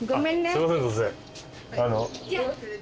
すいません突然。